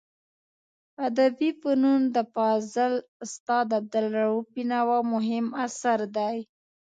ادبي فنون د فاضل استاد عبدالروف بینوا مهم اثر دی.